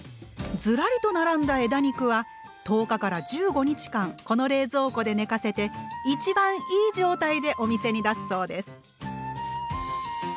ずらりと並んだ枝肉は１０日から１５日間この冷蔵庫で寝かせて一番いい状態でお店に出すそうです。